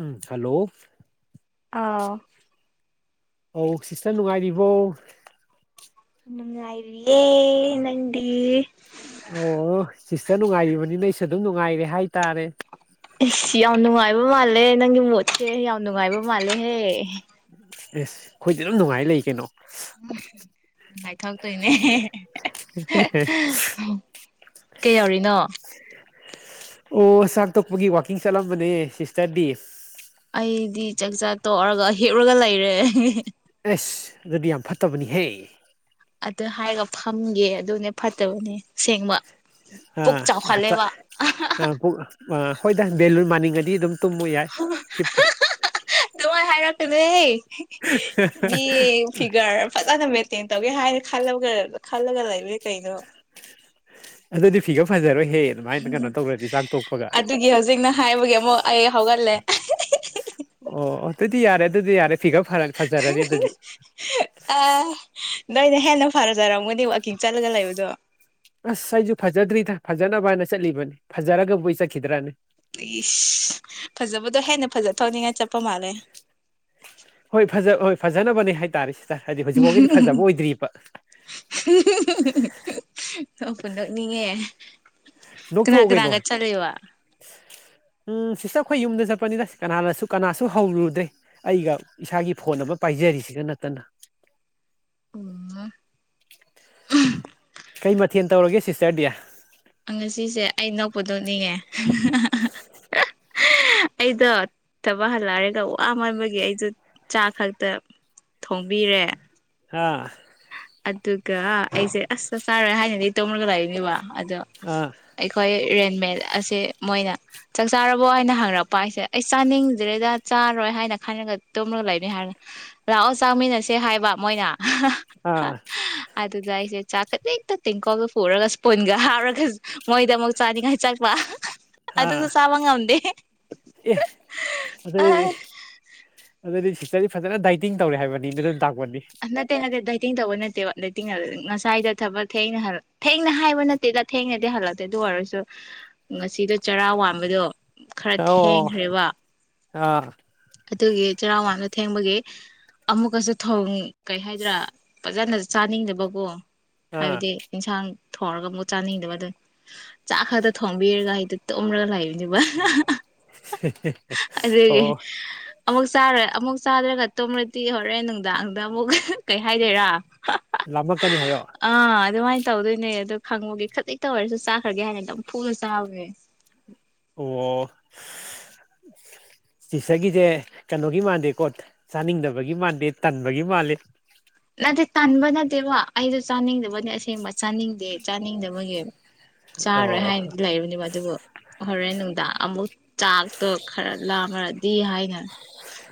ꯎꯝ hello ꯑꯥꯎ ꯑꯧ sister ꯅꯨꯡꯉꯥꯏꯔꯤꯕꯣ ꯪ ꯉꯥꯏꯔꯤꯦ ꯅꯪꯗꯤ ꯑꯣ ꯁꯤꯁꯇꯔ ꯅꯨꯡꯉꯥꯏꯔꯤꯕꯅꯤꯅ ꯑꯩꯁꯨ ꯑꯗꯨꯝ ꯅꯨꯡꯉꯥꯏꯔꯦ ꯍꯥꯏꯇꯥꯔꯦ ꯑꯩ ꯌꯥꯝ ꯅꯨꯡꯉꯥꯏꯕ ꯃꯥꯜꯂꯦ ꯅꯪꯒꯤ ꯃꯣꯠꯁꯦ ꯌꯥꯝ ꯅꯨꯡꯉꯥꯏꯕ ꯃꯥꯜꯂꯦꯍꯦ ꯑꯦꯁ ꯑꯩꯈꯣꯏꯗꯤ ꯑꯗꯨꯝ ꯅꯨꯡꯉꯥꯏ ꯂꯩ ꯀꯩꯅꯣ ꯎ ꯅꯨꯡꯉꯥꯏꯊꯣꯔꯛꯇꯣꯏꯅꯦ ꯀꯩ ꯌꯥꯎꯔꯤꯅꯣ ꯑꯣ ꯁ ꯇꯣꯛꯄꯒꯤ ꯋꯥꯀꯤꯡ ꯆꯠꯂꯝꯕꯅꯦ ꯁꯤꯁꯇꯔꯗꯤ ꯑꯩꯗꯤ ꯆꯥꯛꯆꯥ ꯇꯣꯛꯔꯒ ꯍꯦꯛꯞꯔꯒ ꯂꯩꯔꯦ ꯑꯦꯁ ꯑꯗꯨꯗꯤ ꯌꯥꯝ ꯐꯠꯇꯕꯅꯤꯍꯦ ꯑꯗꯨ ꯍꯥꯏꯔꯒ ꯐꯝꯒꯦ ꯑꯗꯨꯅꯦ ꯐꯠꯇꯕꯅꯦ ꯁꯦꯡꯕ ꯑꯆꯥ ꯑ ꯍꯣꯏꯗ ꯚꯦꯂꯨꯟ ꯃꯥꯅꯤꯡꯉꯗꯤ ꯑꯗꯨꯝ ꯇꯨꯝꯃ ꯌꯥꯏ ꯍꯤꯞꯄꯣ ꯃꯥꯏ ꯍꯥꯏꯔꯛꯅ ꯑꯦ ꯃꯤ ꯐꯤꯒꯔ ꯐꯖꯅ ꯃꯦꯟꯇꯦꯟ ꯇꯧꯒꯦ ꯍꯥꯏꯅ ꯈꯜꯂ ꯈꯜꯂꯒ ꯂꯩꯕ ꯀꯩꯩꯅꯣ ꯑꯗꯨꯗꯤ ꯐꯤꯒ ꯐꯖꯔꯣꯏ ꯍꯦ ꯑꯗꯨꯒꯤ ꯍꯧꯖꯤꯛꯅ ꯍꯥꯏꯕꯒꯤ ꯑꯃꯨꯛ ꯑꯩ ꯍꯧꯒꯠꯂꯦ ꯑꯣ ꯑꯗꯨꯗꯤ ꯌꯥꯔꯦ ꯑꯗꯨꯗꯤ ꯌꯥꯔꯦ ꯄꯤꯀꯞ ꯐꯔꯪ [unintelligible] ꯑ ꯅꯣꯏꯅ ꯍꯦꯟꯅ ꯐꯔꯖꯔꯝꯒꯗꯤ ꯋꯥꯛꯀꯤꯡ ꯆꯠꯂꯒ ꯂꯩꯕꯗꯣ ꯑꯁ ꯑꯩꯁꯨ ꯐꯖꯗ꯭ꯔꯤꯗ ꯐꯖꯅꯕ ꯍꯥꯏꯅ ꯆꯠꯂꯤꯕꯅꯤ ꯐꯖꯔꯒꯕꯨ ꯑꯩ ꯆꯠꯈꯤꯗ꯭ꯔꯅꯤ ꯏꯁꯁ ꯐꯖꯕꯗꯣ ꯍꯦꯟꯅ ꯐꯖ ꯊꯧꯅꯤꯡꯉꯥꯏ ꯆꯠꯄ ꯃꯥꯜꯂꯦ ꯍꯣꯏ ꯐꯖ ꯍꯣꯏ ꯐꯖꯅꯕꯅꯦ ꯍꯥꯏꯇꯥꯔꯦ ꯁꯤꯗ ꯍꯥꯏꯗꯤ ꯍꯧꯖꯤꯛꯐꯥꯎꯒꯤꯗꯤ ꯐꯖꯕ ꯑꯣꯏꯗ꯭ꯔꯤꯕ ꯑ ꯄꯨꯅꯅꯤꯉꯦ ꯅ ꯊꯑꯣ ꯀꯩꯅꯩꯅꯣ [unintelligible] ꯎꯝ ꯁꯤꯁꯇ ꯑꯩꯈꯣꯏ ꯌꯨꯝꯗ ꯆꯠꯄꯅꯤꯗ ꯁꯤ ꯀꯅꯥꯅꯁꯨ ꯀꯅꯥꯁꯨ ꯍꯧꯔꯨꯗ꯭ꯔꯦ ꯑꯩꯒ ꯏꯁꯥꯒꯤ ꯐꯣꯟ ꯑꯃ ꯄꯥꯏꯖꯔꯤꯁꯤꯒ ꯅꯠꯇꯅ ꯄꯨꯅ ꯀꯩ ꯃꯊꯦꯜ ꯇꯧꯔꯒꯦ ꯁꯤꯁꯇꯔꯗꯤ ꯉꯁꯤꯁꯦ ꯑꯩ ꯅꯛꯄꯗꯣꯛꯅꯤꯡꯉꯦ ꯑꯩꯗꯣ ꯊꯕꯛ ꯍꯜꯂꯛꯑꯔꯒ ꯋꯥ ꯃꯟꯥꯟꯕꯒꯤ ꯑꯩꯁꯨ ꯆꯥ ꯈꯛꯇ ꯊꯣꯡꯕꯤꯔꯦ ꯍꯥꯥ ꯑꯗꯨꯒ ꯑꯩꯁꯦ ꯑꯁ ꯆꯥꯛ ꯆꯥꯔꯣꯏ ꯍꯥꯏꯅꯗꯤ ꯇꯨꯝꯔꯒ ꯂꯩꯔꯤꯅꯦꯕ ꯑꯗꯣ ꯑꯥ ꯑꯩꯈꯣꯏ ꯔꯦꯟꯃꯦꯠ ꯑꯁꯦ ꯃꯣꯏꯅ ꯆꯥꯛ ꯆꯥꯔꯕꯣ ꯍꯥꯏꯅ ꯍꯪꯉꯛꯄ ꯍꯥꯏꯁꯦ ꯑꯩ ꯆꯥꯅꯤꯡꯗ꯭ꯔꯦꯗ ꯆꯥꯔꯣꯏ ꯍꯥꯏꯅ ꯈꯜꯔꯒ ꯇꯨꯝꯂꯒ ꯂꯩꯅꯤ ꯍꯥꯏꯅ ꯂꯥꯛꯑꯣ ꯆꯥꯃꯤꯟꯅꯁꯦ ꯍꯥꯏꯕ ꯃꯣꯏꯅ ꯑ ꯑꯗꯨꯒ ꯑꯩꯁꯦ ꯆꯥꯛ ꯈꯖꯤꯛ ꯍꯦꯛꯇ ꯇꯦꯡꯀꯣꯜꯒ ꯄꯨꯔꯒ ꯏꯁꯄꯨꯟꯒ ꯍꯥꯞꯔꯒ ꯃꯣꯏꯗ ꯑꯃ ꯆꯥꯅꯤꯡꯉꯥꯏ ꯋꯥ ꯑꯗꯨ ꯑꯥ ꯑꯗꯨꯁꯨ ꯆꯥꯕ ꯉꯝꯗꯦ ꯑꯦ ꯑꯗꯨꯗꯤ ꯑꯗꯨꯗꯤ ꯁꯇꯔꯗꯤ ꯐꯖꯅ ꯗꯥꯏꯇꯤꯡ ꯇꯧꯔꯦ ꯍꯥꯏꯕꯅꯤꯅ ꯑꯗꯨꯝ ꯇꯥꯛꯄꯅꯤ ꯅꯠꯇꯦ ꯅꯠꯇꯦ ꯗꯥꯏꯇꯤꯡ ꯇꯧꯕ ꯅꯠꯇꯦꯕ ꯉꯁꯥꯏꯗꯣ ꯊꯕꯛ ꯊꯦꯡꯅ ꯊꯦꯡꯅ ꯍꯥꯏꯕ ꯅꯠꯇ ꯅꯠꯇꯦꯗ ꯊꯦꯡꯅꯗꯤ ꯍꯜꯂꯛꯇꯦ ꯑꯗꯨ ꯑꯣꯏꯔꯁꯨ ꯉꯁꯤꯗꯣ ꯆꯔꯥ ꯋꯥꯟꯕꯗꯣ ꯈꯔ ꯑꯣ ꯊꯦꯡꯈ꯭ꯔꯦꯕ ꯑ ꯑꯗꯨꯒꯤ ꯆꯩꯔꯥ ꯋꯥꯟꯕ ꯊꯦꯡꯕꯒꯤ ꯑꯃꯨꯛꯀꯁꯨ ꯊꯣꯡ ꯀꯩ ꯍꯥꯏꯗ꯭ꯔꯥ ꯐꯖꯅ ꯆꯥꯅꯤꯡꯗꯕꯀꯣ ꯑꯥ ꯍꯥꯏꯕꯗꯤ ꯌꯦꯟꯁꯥꯡ ꯊꯣꯡꯔꯒ ꯑꯃꯨꯛ ꯆꯥꯅꯤꯡꯗꯕ ꯑꯗꯨ ꯆꯥꯛ ꯈꯛꯇ ꯊꯣꯡꯕꯤꯔꯒ ꯍꯥꯏꯗꯤ ꯇꯨꯝꯔꯒ ꯂꯩꯥꯕꯅꯦꯕ ꯑꯣ ꯑꯃꯨꯛ ꯆꯥꯗꯅ ꯑꯃꯨꯛ ꯆꯥꯗ꯭ꯔꯒ ꯇꯨꯝꯃꯗꯤ ꯍꯣꯔꯦꯟ ꯅꯨꯡꯗꯥꯡꯗ ꯑꯃꯨꯛ ꯀꯩ ꯍꯥꯏꯗꯣꯏꯔꯥ ꯂꯥꯝꯃꯛꯀꯅꯤ ꯍꯥꯏꯌꯣ ꯑꯥ ꯑꯗꯨꯃꯥꯏꯅ ꯇꯧꯗꯣꯏꯅꯦ ꯑꯗꯣ ꯈꯪꯕꯒꯤ ꯈꯖꯤꯛꯇ ꯑꯣꯏꯔꯁꯨ ꯆꯥꯈ꯭ꯔꯒꯦ ꯍꯥꯏꯅ ꯑꯗꯨꯝ ꯅꯝꯐꯨꯗ ꯆꯥꯕꯅꯦ ꯑꯣ ꯁꯇꯔꯒꯤꯁꯦ ꯀꯩꯅꯣꯒꯤ ꯃꯥꯟꯗꯦꯀꯣ ꯆꯥꯅꯤꯡꯗꯕꯒꯤ ꯃꯥꯟꯗꯦ ꯇꯟꯕꯒꯤ ꯃꯥꯜꯂꯤ ꯅꯠꯇꯦ ꯇꯟꯕ ꯅꯠꯇꯦꯕ ꯑꯩꯇꯨ ꯆꯥꯅꯤꯡꯗꯕꯅꯤ ꯑꯁꯦꯡꯕ ꯆꯥꯅꯤꯡꯕ ꯆꯥꯅꯤꯡꯗꯕꯒꯤ ꯆꯥꯔꯣꯏ ꯑꯣ ꯍꯥꯏꯅꯗꯤ ꯂꯩꯕꯅꯤꯕ ꯑꯗꯨꯕꯨ ꯍꯣꯔꯦꯟ ꯅꯨꯡꯗꯥꯡ ꯑꯃꯨꯛ ꯆꯥꯛꯇꯣ ꯈꯔ ꯂꯥꯝꯃꯗꯤ ꯍꯥꯏꯅ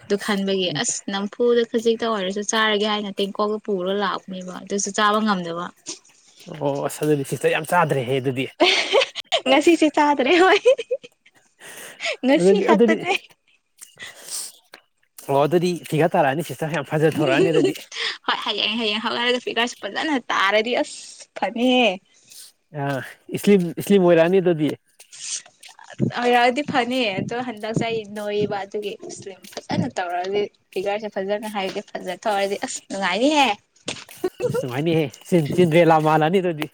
ꯑꯗꯨ ꯈꯟꯕꯒꯤ ꯑꯁ ꯅꯝꯐꯨꯗꯣ ꯈꯖꯤꯛꯇ ꯑꯣꯏꯔꯁꯨ ꯆꯥꯔꯒꯦ ꯍꯥꯏꯅ ꯇꯦꯡꯀꯣꯠꯀ ꯄꯨꯔꯒ ꯂꯥꯛꯄꯅꯦꯕ ꯑꯗꯨꯁꯨ ꯆꯥꯕ ꯉꯝꯗꯕ ꯑꯣ ꯑꯁ ꯑꯗꯨꯗꯤ ꯁꯇꯔꯗꯤ ꯌꯥꯝ ꯆꯥꯗ꯭ꯔꯦꯍꯦ ꯑꯗꯨꯗꯤ ꯉꯁꯤꯁꯨ ꯆꯥꯗ꯭ꯔꯦ ꯍꯣꯏ ꯉꯁꯤ ꯑꯗꯨꯗꯤ ꯑꯗꯨꯗꯤ ꯈꯛꯇꯅꯦ ꯑꯣ ꯑꯗꯨꯗꯤ ꯚꯤꯒꯠ ꯇꯥꯔꯛꯑꯅꯤ ꯁꯤꯁꯇꯔ ꯌꯥꯝ ꯐꯖ ꯊꯣꯔꯛꯑꯅꯤ ꯑꯗꯨꯗꯤ ꯍꯣꯏ ꯍꯌꯦꯡ ꯍꯌꯦꯡ ꯍꯧꯒꯔꯒ ꯐꯤꯒꯔꯁꯦ ꯐꯖꯅ ꯇꯥꯔꯗꯤ ꯑꯁ ꯐꯅꯤꯍ ꯑ ꯏꯁꯂꯤꯝ ꯏꯁꯂꯤꯝ ꯑꯣꯏꯔꯛꯅꯤ ꯑꯗꯨꯗꯤ [inaudible] ꯑꯣꯏꯔꯛꯑꯗꯤ ꯐꯅꯤ ꯑꯗꯣ ꯍꯟꯗꯛꯁꯦ ꯅꯣꯏꯕ ꯑꯗꯨꯒꯤ ꯑꯤꯁꯂꯤꯝ ꯐꯖꯅ ꯇꯧꯔꯑꯗꯤ ꯐꯤꯒꯔꯁꯦ ꯐꯖꯅ ꯍꯥꯏꯕꯗꯤ ꯐꯖꯅ ꯇꯧꯔꯗꯤ ꯑꯁ ꯅꯨꯡꯉꯥꯏꯅꯤꯍꯦ ꯁꯨꯃꯥꯏꯅꯍꯦ ꯆꯤꯟ ꯆꯤꯟꯇ꯭ꯔꯦ ꯂꯥ ꯃꯥꯂꯅꯤ ꯑꯗꯨꯗꯤ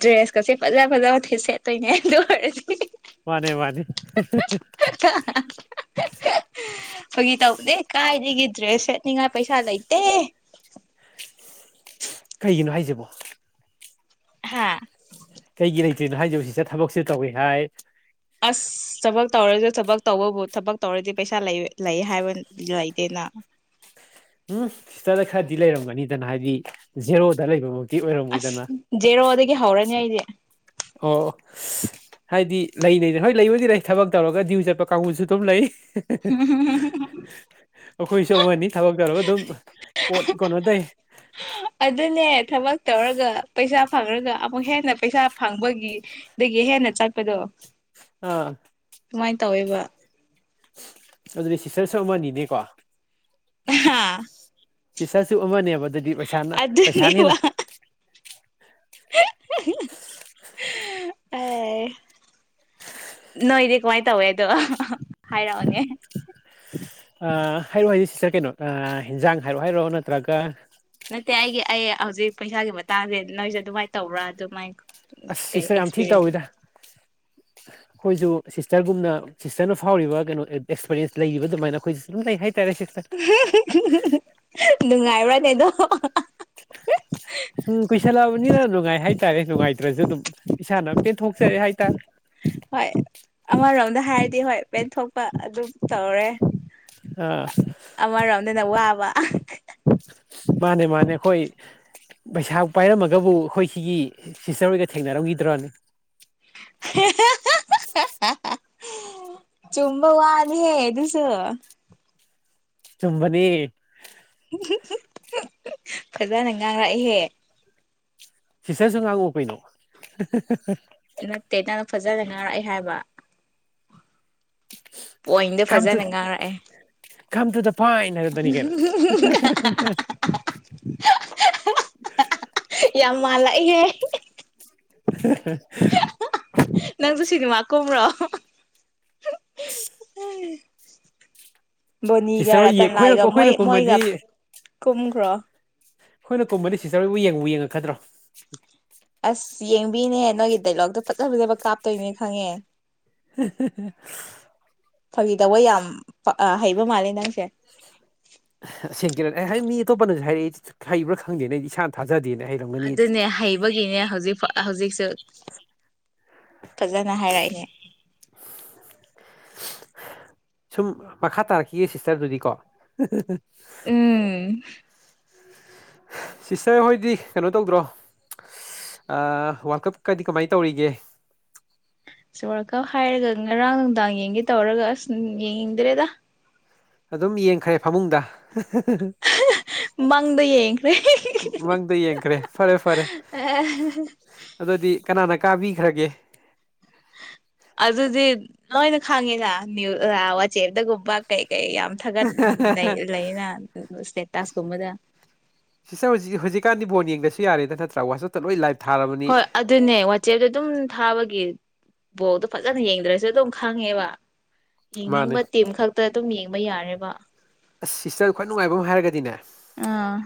ꯗ꯭ꯔꯦꯁ ꯀꯁꯦ ꯐꯖꯥ ꯐꯖꯥꯕ ꯁꯦꯠꯇꯣꯏꯅꯦ ꯑꯗꯨꯅ ꯑꯣꯏꯔꯇꯤ ꯃꯥꯅꯦ ꯃꯥꯅꯦ [inaudible] ꯐꯥꯒꯤ ꯇꯧꯕꯅꯦ ꯀꯥꯏꯗꯒꯤ ꯗ꯭ꯔꯦꯁ ꯁꯦꯠꯅꯤꯉꯥꯏ ꯄꯩꯁꯥ ꯂꯩꯇꯦ ꯀꯩꯒꯤꯅꯣ ꯍꯥꯏꯖꯕꯣ ꯍꯥꯥ ꯀꯩꯒꯤ ꯂꯩꯇ꯭ꯔꯤꯅꯣ ꯍꯥꯏꯁꯤꯕꯣ ꯁꯤꯁꯇꯔ ꯊꯕꯛꯁꯨ ꯇꯧꯏꯤ ꯍꯥꯏ ꯑꯁ ꯊꯕꯛ ꯇꯧꯔꯁꯨ ꯊꯕꯛ ꯇꯧꯕꯕꯨ ꯊꯕꯛ ꯇꯧꯔꯗꯤ ꯄꯩꯁꯥ ꯂꯩ ꯍꯥꯏꯕ ꯌꯥꯏꯗꯦꯅ ꯎꯝ ꯁꯤꯁꯇꯔꯗ ꯈꯔꯗꯤ ꯂꯩꯔꯝꯒꯅꯤꯗꯅ ꯍꯥꯏꯗꯤ ꯖꯦꯔꯣꯗ ꯂꯩꯕ ꯑꯁ ꯖꯦꯔꯣꯗꯒꯤ ꯍꯧꯔꯅꯤ ꯑꯩꯗꯤ ꯑꯣ ꯍꯥꯏꯗꯤ ꯂꯩ ꯂꯩꯗꯅ ꯍꯣꯏ ꯂꯩꯕꯨꯗꯤ ꯂꯩ ꯊꯕꯛ ꯇꯧꯔꯒ ꯗ꯭ꯌꯨ ꯆꯠꯄ ꯀꯥꯡꯕꯨꯁꯨ ꯑꯗꯨꯝ ꯂꯩ [inaudible] ꯑꯩꯈꯣꯏꯁꯨ ꯑꯃꯅꯤ ꯊꯕꯛ ꯇꯧꯔꯒ ꯑꯗꯨꯝ ꯀꯣꯠ ꯀꯅꯣ ꯇꯩ ꯑꯗꯨꯅꯦ ꯊꯕꯛ ꯇꯧꯔꯒ ꯄꯩꯁꯥ ꯐꯪꯔꯒ ꯑꯃꯨꯛ ꯍꯦꯟꯅ ꯄꯩꯁꯥ ꯐꯪꯕꯒꯤ ꯑꯗꯒꯤ ꯍꯦꯟꯅ ꯆꯠꯄꯗꯣ ꯑꯥ ꯀꯨꯃꯥꯏꯅ ꯇꯧꯋꯦꯕ ꯑꯗꯨꯗꯤ ꯁꯤꯇꯔꯁꯨ ꯑꯃꯅꯤꯅꯦꯀꯣ ꯍꯥꯥ ꯁꯤ ꯁꯔꯁꯨ ꯑꯃꯅꯦꯕ ꯑꯗꯨꯗꯤ ꯄꯩꯁꯥꯅ ꯄꯩꯁꯥꯅ ꯑꯗꯨꯅꯦꯕ ꯍꯦꯟꯅ ꯑ ꯑꯦ ꯅꯣꯏꯗꯤ ꯀꯃꯥꯏꯅ ꯇꯧꯋꯦ ꯑꯗꯣ ꯍꯥꯏꯔꯛꯑꯣꯅꯦ ꯍꯥꯏꯔꯣ ꯍꯥꯏꯗꯤꯦ ꯁꯤꯁ ꯀꯩꯅꯣ ꯍꯤꯟꯖꯥꯡ ꯍꯥꯏꯔꯣ ꯍꯥꯏꯔꯣ ꯅꯠꯇ꯭ꯔꯒ ꯅꯠꯇꯦ ꯑꯩꯒꯤ ꯑꯩ ꯍꯧꯖꯤꯛ ꯄꯩꯁꯥꯒꯤ ꯃꯇꯥꯡꯁꯦ ꯅꯣꯏꯁꯦ ꯑꯗꯨꯃꯥꯏꯅ ꯇꯧꯕ꯭ꯔꯥ ꯑꯗꯨꯃꯥꯏꯅ ꯑꯁ ꯀꯩ ꯁꯤꯁ ꯌꯥꯝ ꯊꯤ ꯑꯦꯛꯁꯄꯤꯔꯤꯌꯦꯟꯁ ꯇꯧꯋꯤꯗ [inaudible] ꯑꯩꯈꯣꯏꯁꯨ ꯁꯤꯁꯇꯔꯒꯨꯝꯅ ꯁꯤꯁꯇꯔꯅ ꯐꯥꯎꯔꯤꯕ ꯀꯩꯅꯣ ꯑꯦꯛꯁꯄꯔꯤꯌꯦꯦꯟꯁ ꯂꯩ ꯑꯗꯨꯃꯥꯏꯅ ꯑꯩꯈꯣꯏꯁꯨ ꯑꯗꯨꯝ ꯂꯩ ꯍꯥꯏꯇꯥꯔꯦ ꯁꯤꯁ ꯅꯨꯡꯉꯥꯏꯔ꯭ꯔꯣꯅꯦꯗꯣ ꯁꯨꯝ ꯀꯨꯏꯁꯜꯂꯛꯑꯕꯅꯤꯅ ꯅꯨꯡꯉꯥꯏ ꯍꯥꯏꯇꯥꯔꯦ ꯅꯨꯡꯉꯥꯏꯇ꯭ꯔꯁꯨ ꯑꯗꯨꯝ ꯏꯁꯥꯅ ꯄꯦꯟꯊꯣꯛꯆꯔꯦ ꯍꯥꯏꯇꯥꯔꯦ ꯍꯣꯏ ꯑꯃꯔꯣꯝꯗ ꯍꯥꯏꯔꯗꯤ ꯍꯣꯏ ꯄꯦꯟꯊꯣꯛꯄ ꯑꯗꯨꯝ ꯇꯧꯔꯦ ꯑꯥ ꯑꯃꯔꯣꯝꯗꯅ ꯋꯥꯕ ꯃꯥꯅꯦ ꯃꯥꯅꯦ ꯑꯩꯈꯣꯏ ꯄꯩꯁꯥ ꯄꯥꯏꯔꯝꯃꯒꯕꯨ ꯑꯩꯈꯣꯏ ꯁꯤꯒꯤ ꯁꯤꯁꯇꯔꯣꯏꯒ ꯊꯦꯡꯅꯔꯝꯈꯤꯗ꯭ꯔꯅꯦ [inaudible] ꯆꯨꯝꯕ ꯋꯥꯅꯤ ꯍꯦ ꯑꯗꯨꯁ ꯆꯨꯝꯃꯅꯤ ꯐꯖꯅ ꯉꯥꯡꯔꯛꯏꯍꯦ ꯁꯤꯁꯇꯔꯁꯨ ꯉꯥꯡꯉꯣꯛ ꯀꯩꯅꯣ ꯅꯠꯇꯦ ꯅꯪ ꯐꯖꯅ ꯉꯥꯔꯛꯑꯦ ꯍꯥꯏꯕ ꯄꯣꯏꯟꯗꯣ ꯐꯖꯅ ꯉꯥꯡꯔꯛꯑꯦ ꯈꯝꯗꯨꯗ ꯐꯥꯏꯅ ꯍꯥꯏꯔꯗꯅꯤ ꯀꯩꯅꯣ ꯌꯥꯝ ꯃꯥꯜꯂꯛꯏꯍꯦ [unintelligible] ꯅꯪꯁꯨ ꯁꯤꯅꯦꯃꯥ ꯀꯨꯝꯕ꯭ꯔꯣ [unintelligible] [unintelligible] ꯕꯣꯅꯤꯒ ꯁꯤꯁꯇꯔ ꯍꯣꯏ ꯑꯩꯈꯣꯏꯅ ꯔꯇꯟꯂꯥꯏꯒ ꯃꯣꯏ ꯑꯩꯈꯣꯏꯅ ꯃꯣꯏꯒ ꯀꯨꯝꯃꯗꯤ ꯀꯨꯝꯈ꯭ꯔꯣ ꯑꯩꯈꯣꯏꯅ ꯇꯨꯝꯗꯤ ꯁꯤꯁꯇꯔꯕꯨ ꯌꯦꯡꯕ ꯌꯦꯡꯉꯛꯀꯗ꯭ꯔꯣ ꯑꯁ ꯌꯦꯡꯕꯤꯅꯦꯍ ꯅꯣꯏꯒꯤ ꯗꯥꯏꯂꯣꯛꯇꯣ ꯐꯖ ꯐꯖꯕ ꯀꯥꯞꯇꯣꯏꯅꯦ ꯈꯪꯉꯦ [inaudible] ꯐꯥꯒꯤꯗꯧꯕ ꯌꯥꯝ ꯍꯩꯕ ꯃꯥꯜꯂꯦ ꯅꯪꯁꯦ ꯑꯁꯦꯡ ꯀꯔ ꯑꯩ ꯍꯥꯏ ꯃꯤ ꯑꯇꯣꯞꯄꯅꯁꯨ ꯍꯥꯏꯔꯛꯏ ꯍꯩꯕ꯭ꯔꯥ ꯈꯪꯗꯦꯅ ꯑꯩꯗꯤ ꯏꯁꯥꯅ ꯊꯥꯖꯗꯦꯅ ꯍꯥꯏꯦ ꯑꯗꯨꯅꯦ ꯍꯩꯕꯒꯤꯅꯦ ꯍꯧꯖꯤꯛ ꯍꯧꯖꯤꯛꯁꯨ ꯐꯖꯅ ꯍꯥꯏꯔꯛꯏꯅꯦ ꯁꯨꯝ ꯃꯈꯥ ꯇꯥꯔꯛꯈꯤꯌꯦ ꯁꯤꯁꯇꯔꯗꯨꯗꯤꯀꯣ ꯑ ꯁꯤꯁꯇꯔ ꯍꯣꯏꯗꯤ ꯀꯩꯅꯣ ꯇꯧꯗ꯭ꯔꯣ ꯋꯥꯔꯜ ꯀꯞꯀꯗꯤ ꯀꯃꯥꯏꯅ ꯇꯧꯔꯤꯒꯦ ꯁꯣꯔꯀꯥ ꯍꯥꯏꯔꯒ ꯉꯔꯥꯡ ꯅꯨꯡꯗꯥꯡ ꯌꯦꯡꯒꯦ ꯇꯧꯔꯒ ꯑꯁ ꯌꯦꯡꯅꯤꯡꯗ꯭ꯔꯦꯗ ꯑꯗꯨꯝ ꯌꯦꯡꯈ꯭ꯔꯦ ꯐꯃꯨꯡꯗ ꯃꯪꯗ ꯌꯦꯡꯈ꯭ꯔꯦ ꯃꯪꯗ ꯌꯦꯡꯈ꯭ꯔꯦ ꯐꯔꯦ ꯐꯔꯦ ꯑꯦ ꯑꯗꯨꯗꯤ ꯀꯅꯥꯅ ꯀꯥꯕꯤꯈ꯭ꯔꯒꯦ ꯑꯗꯨꯗꯤ ꯂꯣꯏꯅ ꯈꯪꯉꯤꯅ ꯋꯥꯆꯦꯗꯒꯨꯝꯕ ꯀꯩꯀꯩ ꯌꯥꯝ ꯊꯥꯒꯠ ꯂꯩꯌꯦꯅ ꯏꯁꯇꯦꯇꯥꯁꯀꯨꯝꯕꯗ ꯁꯤꯁꯇꯔ ꯍꯧꯖꯤꯛ ꯍꯧꯖꯤꯛꯀꯥꯟꯗꯤ ꯕꯣꯟ ꯌꯦꯡꯗꯁꯨ ꯌꯥꯔꯦꯗ ꯅꯠꯇ꯭ꯔꯥ ꯋꯥꯆꯞꯇ ꯂꯣꯏ ꯂꯥꯏꯚ ꯊꯥꯔꯕꯅꯤ ꯍꯣꯏ ꯑꯗꯨꯅꯦ ꯋꯥꯆꯦꯞꯇꯣ ꯑꯗꯨꯝ ꯊꯥꯕꯒꯤ ꯕꯣꯛꯗꯣ ꯐꯖꯅ ꯌꯦꯡꯗ꯭ꯔꯁꯨ ꯑꯗꯨꯝ ꯈꯪꯉꯦꯕ ꯃꯥꯅꯦ ꯌꯦꯡꯅꯤꯡꯕ ꯇꯤꯝ ꯈꯛꯇ ꯑꯗꯨꯝ ꯌꯦꯡꯕ ꯌꯥꯔꯦꯕ ꯑꯁ ꯁꯤꯁꯇꯔ ꯈ꯭ꯋꯥꯏ ꯅꯨꯡꯉꯥꯏꯕ ꯑꯃ ꯍꯥꯏꯔꯒꯗꯤꯅꯦ ꯑꯥ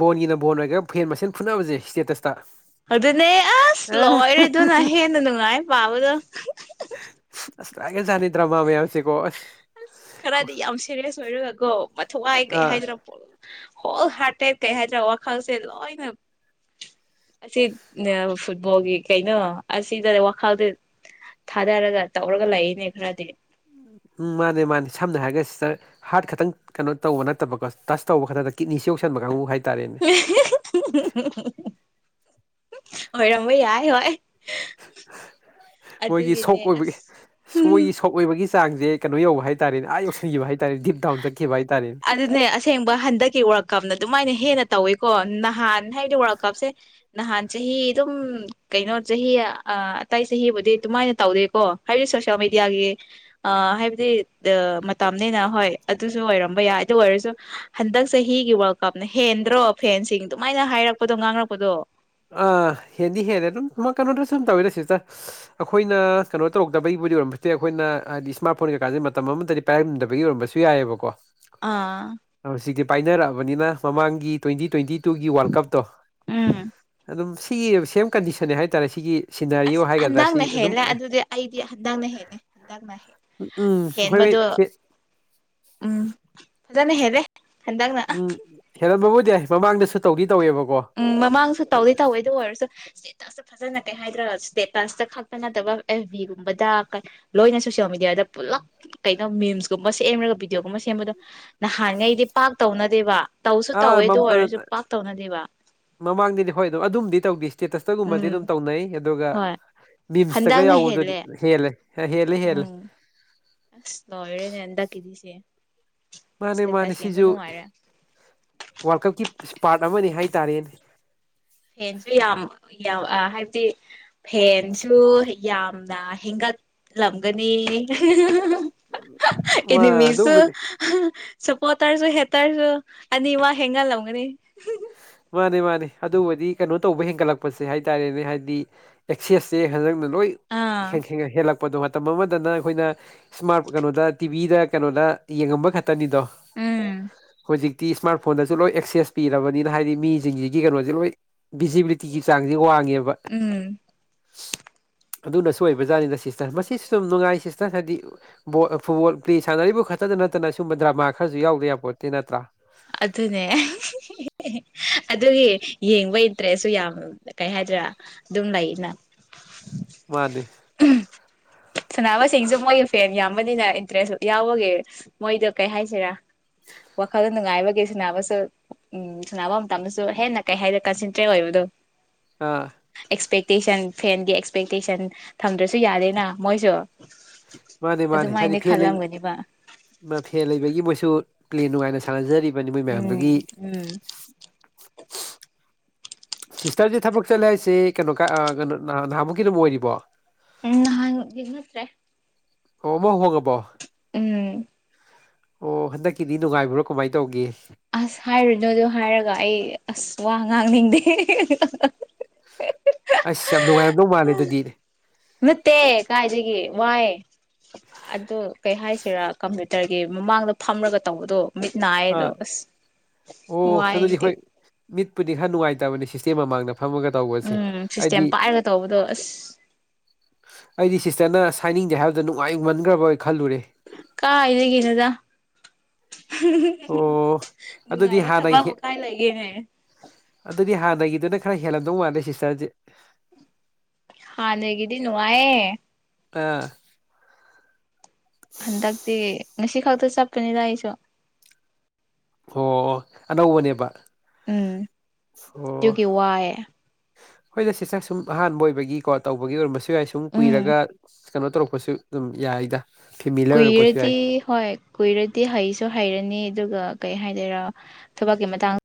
ꯕꯣꯟꯒꯤꯅ ꯕꯣꯟ ꯑꯣꯏꯔꯒꯦ ꯐꯦꯟ ꯃꯁꯦꯟ ꯐꯨꯠꯅꯕꯁꯦ ꯏꯁꯇꯦꯇꯁꯇ ꯑꯗꯨꯅꯦ ꯑꯁ ꯑꯦ ꯂꯑꯣꯏꯔꯦꯗꯨꯅ ꯍꯦꯟꯅ ꯅꯨꯡꯉꯥꯏ ꯄꯥꯕꯗꯣ ꯑꯁ ꯇꯥꯒꯦꯖꯥꯅꯤꯗ꯭ꯔ ꯃꯥ ꯃꯌꯥꯝꯁꯤꯀꯣ ꯑ ꯑꯁ ꯈꯔꯗꯤ ꯌꯥꯝ ꯁꯦꯔꯤꯌꯁ ꯑꯣꯏꯔꯒꯒꯣ ꯃꯊꯧꯋꯥꯏ ꯀꯩ ꯑꯥ ꯍꯥꯏꯗꯅ ꯄꯣꯂ ꯍꯣ ꯍꯥꯇꯦ ꯀꯩꯍꯖ ꯋꯥꯈꯔꯁꯦ ꯂꯣꯏꯅꯦ ꯑꯁꯤ ꯐꯨꯠꯕꯣꯜꯒꯤ ꯀꯩꯅꯣ ꯑꯁꯤꯗ ꯋꯥꯈꯜꯗ ꯊꯥꯗꯔꯒ ꯇꯧꯔꯒ ꯂꯩꯏꯅꯦ ꯈꯔꯗꯤ ꯎꯝ ꯃꯥꯅꯦ ꯃꯥꯅꯦ ꯁꯝꯅ ꯍꯥꯏꯔꯒ ꯁꯤꯗ ꯍꯥꯔꯠ ꯈꯛꯇꯪ ꯀꯩꯅꯣ ꯇꯧꯕ ꯅꯠꯇꯕꯀꯣ ꯇꯁ ꯇꯧꯕ ꯈꯛꯇꯗ ꯀꯤꯠꯅꯤꯁꯤ ꯌꯧꯁꯟꯕ ꯀꯥꯡꯕꯨ ꯍꯥꯏꯇꯥꯔꯦꯅꯦ ꯑꯣꯏꯣꯏꯔꯝꯃ ꯌꯥꯏ ꯍꯣꯏ ꯃꯣꯏꯒꯤ ꯑꯗꯨꯒꯤꯅꯦ ꯁꯣꯛ ꯑꯁ ꯎꯝ ꯑꯣꯏꯕꯒꯤꯣꯏꯒꯤ ꯁꯣꯛꯏꯕꯒꯤ ꯆꯥꯡꯁꯦ ꯀꯩꯅꯣ ꯌꯧꯕ ꯍꯥꯏꯇꯥꯔꯦꯅꯦ ꯑꯥ ꯌꯧꯁꯤꯟꯈꯤꯕ ꯍꯥꯏꯇꯥꯔꯦ ꯗꯤꯞ ꯎꯟ ꯆꯠꯈꯤꯕ ꯍꯥꯏꯇꯥꯥꯔꯦꯅꯦ ꯑꯗꯨꯅꯦ ꯑꯁꯦꯡꯕ ꯍꯟꯗꯛꯀꯤ ꯋꯥꯔꯛꯀꯞꯅ ꯑꯗꯨꯃꯥꯏꯅ ꯍꯦꯟꯅ ꯇꯧꯋꯤꯀꯣ ꯅꯍꯥꯟ ꯍꯥꯏꯕꯗꯤ ꯋꯥꯔꯜꯀꯞꯁꯦ ꯅꯍꯥꯟ ꯆꯍꯤꯍ ꯏ ꯑꯗꯨꯝ ꯀꯩꯅꯣ ꯆꯍꯤ ꯑꯇꯩ ꯆꯍꯤꯕꯨꯗꯤ ꯑꯗꯨꯃꯥꯏꯅ ꯇꯧꯗꯦꯀꯣ ꯍꯥꯏꯕꯗꯤ ꯁꯣꯁꯤꯦꯜ ꯃꯦꯗꯤꯌꯥꯒꯤ ꯑ ꯍꯥꯏꯕꯗꯤ ꯃꯇꯝꯅꯦꯅ ꯍꯣꯏ ꯑꯗꯨꯁꯨ ꯑꯣꯏꯔ ꯇꯝꯕ ꯌꯥꯏ ꯑꯗꯨ ꯑꯣꯏꯔꯁꯨ ꯍꯟꯗꯛ ꯆꯍꯤꯒꯤ ꯋꯥꯔꯜ ꯀꯞꯅ ꯍꯦꯟꯗ꯭ꯔꯣ ꯐꯦꯟꯁꯤꯡ ꯑꯗꯨꯃꯥꯏꯅ ꯍꯥꯏꯔꯛꯄꯗꯣ ꯉꯥꯡꯔꯛꯄꯗꯣ ꯑ ꯍꯦꯟꯗꯤ ꯍꯦꯅꯦ ꯑꯗꯨꯝ ꯀꯩꯅꯣꯗ꯭ꯔ ꯁꯨꯝ ꯇꯧꯔꯁꯤ ꯇ ꯑꯩꯈꯣꯏꯅ ꯀꯩꯅꯣ ꯇꯧꯗꯕꯩꯕꯨꯗꯤ ꯑꯣꯏꯔꯝꯕꯖꯨ ꯌꯥꯏ ꯑꯩꯈꯣꯏꯅ ꯍꯥꯏꯗꯤ ꯏꯁꯃꯥꯔꯠ ꯐꯣꯟ ꯀꯩꯀꯥꯥꯁꯦ ꯃꯇꯝ ꯑꯃꯗꯗꯤ ꯄꯥꯏꯔꯝꯗꯕꯒꯤ ꯑꯣꯏꯔꯝꯕꯁꯨ ꯌꯥꯏꯑꯕꯀꯣ ꯑꯥ ꯍꯧꯖꯤꯛꯇꯤ ꯄꯥꯏꯅꯔꯛꯑꯕꯅꯤꯅ ꯃꯃꯥꯡꯒꯤ ꯇ꯭ꯋꯦꯟꯇꯤ ꯇ꯭ꯋꯦꯟꯇꯤ ꯇꯨꯒꯤ ꯋꯥꯔꯜ ꯀꯞꯇꯣ ꯎꯝ ꯑꯗꯨꯝ ꯁꯤꯒꯤ ꯁꯦꯝ ꯀꯟꯗꯤꯁꯟꯅꯦ ꯍꯥꯏꯇꯥꯔꯦ ꯁꯤꯒꯤ ꯁꯤꯅꯔꯤꯑꯣ ꯑꯁ ꯍꯥꯏꯒꯗ꯭ꯔꯥ ꯁꯤ ꯍꯟꯗꯛꯅ ꯑꯗꯨꯝ ꯍꯦꯜꯂꯦ ꯑꯗꯨꯗꯤ ꯑꯩꯗꯤ ꯍꯟꯗꯛꯅ ꯍꯦꯜꯂꯦ ꯍꯟꯗꯛꯅ ꯍꯦꯜꯂꯦ ꯎ ꯎꯝ ꯑꯩꯈꯣꯏꯒꯤ [unintelligible] ꯎꯝ ꯍꯟꯗꯛꯅ ꯍꯦꯜꯂꯦ ꯍꯟꯗꯛꯅ ꯎꯝ ꯍꯦꯜꯂꯝꯕꯕꯨꯗꯤ ꯌꯥꯏ ꯃꯃꯥꯡꯗꯁꯨ ꯇꯧꯗꯤ ꯇꯧꯋꯦꯕꯀꯣ ꯎꯝ ꯃꯃꯥꯡꯁꯨ ꯇꯧꯗꯤ ꯇꯧꯋꯦ ꯑꯗꯨ ꯑꯣꯏꯔꯁꯨ ꯑꯁ ꯐꯖꯅ ꯀꯩ ꯍꯥꯏꯗ꯭ꯔꯒ ꯁ꯭ꯇꯦꯇꯁꯇ ꯈꯛꯇ ꯅꯠꯇꯕ ꯑꯦꯐ ꯕꯤꯒꯨꯝꯕꯗ ꯂꯣꯏꯅ ꯁꯣꯁꯤꯜ ꯃꯦꯗꯤꯌꯥꯗ ꯄꯨꯜꯂꯞ ꯀꯩꯅꯣ ꯃꯤꯝꯁꯀꯨꯝꯕ ꯁꯦꯝꯔꯒ ꯚꯗꯤꯑꯣꯒꯨꯝꯕ ꯁꯦꯝꯕꯗꯣ ꯅꯍꯥꯟꯉꯩꯗꯤ ꯄꯥꯛ ꯇꯧꯅꯗꯦꯕ ꯇꯧꯁꯨ ꯑꯥ ꯇꯧꯋꯦꯗꯣ ꯑꯣꯏꯔꯁꯨ ꯄꯥꯛ ꯇꯧꯅꯗꯦꯕ ꯃꯃꯥꯡꯗꯗꯤ ꯍꯣꯏ ꯑꯗꯨꯝ ꯑꯗꯨꯝꯗꯤ ꯇꯧꯗ ꯏꯁꯇꯦꯇꯁꯇꯒꯨꯝꯕꯗꯤ ꯎꯝ ꯑꯗꯨꯝ ꯇꯧꯅꯩ ꯑꯗꯨꯒ ꯍꯣꯏ ꯑꯗꯨꯒ ꯝꯁꯇꯒ ꯍꯟꯗꯛꯅ ꯌꯥꯎꯕꯗꯨꯗꯤ ꯍꯦꯜꯂꯦ ꯍꯦꯜꯂꯦ ꯍꯦꯜꯂꯦ ꯍꯦꯜꯂꯦ ꯎꯝ ꯑꯁ ꯂꯋꯦꯅꯦꯦꯟꯟꯗꯥꯛ ꯀꯀꯗꯁꯤꯦ ꯃꯥꯅꯦ ꯃꯥꯅꯦ ꯁꯤꯁꯨ ꯋꯥꯔꯜ ꯀꯞꯀꯤ ꯏꯁꯄꯥꯔꯠ ꯑꯃꯅꯤꯅꯦ ꯍꯥꯏꯇꯥꯔꯦꯅꯦ ꯐꯦꯟꯁꯨ ꯌꯥꯝ ꯍꯥꯏꯕꯗꯤ ꯐꯦꯟꯁꯨ ꯌꯥꯝꯅ ꯍꯦꯟꯒꯠꯂꯝꯒꯅꯤ ꯃꯥ ꯏꯅꯤꯃꯤꯁꯨ ꯑꯗꯨꯕꯨ ꯁꯄꯣꯇꯥꯔꯁꯨ ꯍꯦꯛꯇꯔꯁꯨ ꯑꯅꯤ ꯋꯥ ꯍꯦꯟꯒꯜꯂꯝꯒꯅꯤ ꯃꯥꯅꯦ ꯃꯥꯅꯦ ꯑꯗꯨꯕꯨꯗꯤ ꯀꯩꯅꯣ ꯇꯧꯕ ꯍꯦꯟꯒꯠꯂꯛꯄꯁꯦ ꯍꯥꯏꯇꯥꯔꯦꯅꯦ ꯍꯥꯏꯗꯤ ꯑꯦꯛꯁꯦꯁꯁꯦ ꯍꯟꯛ ꯂꯣꯏ ꯑꯥ ꯍ ꯍꯦꯜꯂꯛꯄ ꯑꯄꯣꯗꯣ ꯃꯇꯝ ꯑꯃꯗꯅ ꯑꯩꯈꯣꯏꯅ ꯏꯁꯃꯥꯔꯠ ꯀꯩꯅꯣꯗ ꯇꯤꯚꯤꯗ ꯀꯩꯅꯣꯗ ꯌꯦꯡꯉꯝꯕ ꯈꯛꯇꯅꯤꯗꯣ ꯎꯝ ꯍꯧꯖꯤꯛꯇꯤ ꯏꯁꯃꯥꯔꯠ ꯐꯣꯟꯗꯁꯨ ꯂꯣꯏ ꯑꯦꯛꯁꯦꯁ ꯄꯤꯔꯕꯅꯤꯅ ꯍꯥꯏꯗꯤ ꯃꯤꯁꯤꯡꯁꯤꯒꯤ ꯀꯩꯅꯣꯁꯦ ꯂꯣꯏ ꯚꯖꯤꯕꯤꯂꯤꯇꯤꯒꯤ ꯆꯥꯡꯁꯦ ꯋꯥꯡꯉꯦꯕ ꯎꯝ ꯑꯗꯨꯅꯁꯨ ꯑꯣꯏꯕꯖꯥꯠꯅꯤꯅ ꯁꯤꯁꯇꯔ ꯃꯁꯤꯁꯨ ꯑꯗꯨꯨꯝ ꯅꯨꯡꯉꯥꯏ ꯁꯤꯁꯇꯔ ꯍꯥꯏꯗꯤ ꯕꯣꯜ ꯐꯨꯠꯕꯣꯜ ꯄꯂꯦ ꯁꯥꯟꯅꯔꯤꯕ ꯈꯛꯇꯗ ꯅꯠꯇꯅ ꯁꯨꯒꯨꯝꯕ ꯗ꯭ꯔꯃꯥ ꯈꯔꯁꯨ ꯌꯥꯎꯗ ꯌꯥꯄꯣꯟꯇꯦ ꯅꯠꯇ꯭ꯔꯥ ꯑꯗꯨꯅꯦ ꯑꯗꯨꯒꯤ ꯌꯦꯡꯕꯩ ꯏꯟꯇ꯭ꯔꯦꯁꯁꯨ ꯌꯥꯝ ꯀꯩ ꯍꯥꯏꯗꯣꯢꯔ ꯑꯗꯨꯝ ꯂꯩꯅ ꯃꯥꯟꯅꯤ ꯎꯝ ꯁꯅꯥꯅꯕꯁꯤꯡꯁꯨ ꯃꯣꯏꯒꯤ ꯐꯦꯟ ꯌꯥꯝꯕꯅꯤꯅ ꯏꯟꯇꯔꯦꯁ ꯌꯥꯎꯕꯒꯤ ꯃꯣꯏꯗ ꯀꯩ ꯍꯥꯏꯁꯤꯔꯥ ꯋꯥꯈꯜ ꯅꯨꯡꯉꯥꯏꯕꯒꯤ ꯁꯥꯟꯅꯕꯁꯨ ꯎꯝ ꯁꯥꯟꯅꯕ ꯃꯇꯝꯗꯁꯨ ꯍꯦꯟꯅ ꯀꯩ ꯍꯥꯏꯗ ꯀꯟꯁꯦꯟꯇ꯭ꯔꯦꯠ ꯑꯣꯏꯕꯗꯣ ꯑꯥ ꯑꯦꯛꯁꯄꯦꯛꯇꯦꯁꯟ ꯐꯦꯟꯒꯤ ꯑꯦꯛꯁꯄꯦꯛꯇꯦꯁꯟ ꯊꯝꯗ꯭ꯔꯁꯨ ꯌꯥꯔꯦꯅ ꯃꯣꯢꯁꯨ ꯃꯥꯅꯦ ꯃꯥꯅꯦ ꯍꯥꯏꯗꯤ ꯑꯗꯨꯃꯥꯏꯅ ꯂꯩꯕ ꯈꯜꯂꯝꯒꯅꯤꯕ ꯐꯦꯟ ꯂꯩꯕꯒꯤ ꯃꯣꯏꯁꯨ ꯄ꯭ꯂꯦꯟ ꯅꯨꯡꯉꯥꯏꯅ ꯁꯥꯟꯅꯖꯔꯤꯕꯅꯤ ꯃꯣꯏ ꯎꯝ ꯃꯌꯥꯝꯗꯨꯒꯤ ꯎꯝ [unintelligible] ꯁꯤꯁꯇꯔꯁꯦ ꯊꯕꯛ ꯆꯠꯂꯦ ꯍꯥꯏꯁꯦ ꯀꯩꯅꯣ ꯀ ꯀꯩꯅꯣ ꯅꯍꯥꯃꯨꯛꯀꯤ ꯑꯗꯨꯝ ꯑꯣꯏꯔꯤꯕꯣ ꯎꯝ ꯅꯍꯥꯟꯒꯤꯗꯣ ꯅꯠꯇꯔꯦ ꯑꯣ ꯑꯃꯥ ꯍꯣꯡꯉꯕꯣ ꯎꯝ ꯑꯣ ꯍꯟꯗꯛꯀꯤꯗꯤ ꯅꯨꯡꯉꯥꯏꯕ꯭ꯔꯣ ꯀꯃꯥꯏ ꯇꯧꯒꯦ ꯑꯁ ꯍꯥꯏꯔꯣꯏꯗꯥ ꯑꯗꯨ ꯍꯥꯏꯔꯒ ꯑꯩ ꯑꯁ ꯋꯥ ꯉꯥꯡꯅꯤꯡꯗꯦ ꯑꯁ ꯌꯥꯝ ꯅꯨꯡꯉꯥꯏꯔꯝꯗꯧ ꯃꯥꯜꯂꯦ ꯑꯗꯨꯗꯤ ꯅꯠꯇꯦ ꯀꯥꯏꯗꯒꯤ ꯋꯥꯏ ꯑꯗꯨ ꯀꯩ ꯍꯥꯏꯁꯤꯔꯥ ꯀꯝꯄ꯭ꯌꯨꯇꯔꯒꯤ ꯃꯃꯥꯡꯗ ꯐꯝꯔꯒ ꯇꯧꯕꯗꯣ ꯃꯤꯠ ꯅꯥꯏ ꯑꯗꯨ ꯑꯥ ꯑꯁ ꯑꯣ ꯑꯗꯨꯗꯤ ꯋꯥꯏꯗꯦ ꯍꯣꯏ ꯃꯤꯠꯄꯨꯗꯤ ꯈꯔ ꯅꯨꯡꯉꯥꯏꯇꯕꯅꯤ ꯁꯤꯁꯇꯦꯝ ꯃꯃꯥꯡꯗ ꯐꯝꯃꯒ ꯇꯧꯕꯁꯦ ꯎꯝ ꯁꯤꯁꯇꯦꯝ ꯑꯩꯗꯤ ꯄꯥꯏꯔꯒ ꯇꯧꯕꯗꯣ ꯑꯁ ꯑꯩꯗꯤ ꯁꯤꯁꯇꯔꯅ ꯍꯥꯏꯅꯤꯡꯗꯦ ꯍꯥꯏꯕꯗꯨꯗ ꯅꯨꯡꯉꯥꯏꯃꯟꯒ꯭ꯔꯕꯣꯏ ꯈꯜꯂꯨꯔꯦ ꯀꯥꯏ ꯗꯒꯤꯅꯣꯗ ꯑꯣ ꯑꯗꯨꯗꯤ ꯅꯨꯡꯉꯥꯏꯕ ꯍꯥꯟꯅꯒꯤ ꯊꯕꯛꯕꯨ ꯀꯥꯏ ꯂꯩꯒꯦꯅꯦ ꯑꯗꯨꯗꯤ ꯍꯥꯟꯅꯒꯤꯗꯨꯅ ꯈꯔ ꯍꯦꯜꯂꯝꯗꯧ ꯃꯥꯜꯂꯦ ꯁꯤꯁꯇꯔꯖꯦ ꯍꯥꯟꯅꯒꯤꯗꯤ ꯅꯨꯡꯉꯥꯏꯌꯦ ꯄ ꯍꯟꯗꯛꯇꯤ ꯉꯁꯤ ꯈꯛꯇ ꯆꯠꯄꯅꯤꯗ ꯑꯩꯁꯨ ꯑꯣ ꯑꯣ ꯑꯅꯧꯕꯅꯦꯕ ꯎꯝ ꯑꯣ ꯑꯗꯨꯒꯤ ꯋꯥꯏꯌꯦ ꯍꯣꯏꯗ ꯁꯤꯁꯇꯔ ꯁꯨꯝ ꯑꯍꯥꯟꯕ ꯑꯣꯏꯕꯒꯤꯀꯣ ꯇꯧꯕꯒꯤ ꯑꯣꯏꯔꯃꯁꯨ ꯁꯌꯥꯏ ꯁꯨꯝ ꯎꯝ ꯀꯨꯏꯔꯒ ꯀꯩꯅꯣ ꯇꯧꯔꯛꯄꯁꯨ ꯑꯗꯨꯝ ꯌꯥꯏꯗ ꯐꯦꯃꯤꯂꯔ ꯑꯣꯏꯔꯛꯄꯁꯨ ꯌꯥꯏ ꯀꯨꯏꯔꯗꯤ ꯍꯣꯏ ꯀꯨꯏꯔꯗꯤ ꯍꯩꯁꯨ ꯍꯩꯔꯅꯤ ꯑꯗꯨꯒ ꯀꯩ ꯍꯥꯏꯗꯣꯏꯔ ꯊꯕꯛꯀꯤ ꯃꯇꯥꯡ